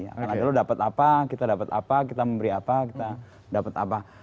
akan ada lo dapat apa kita dapat apa kita memberi apa kita dapat apa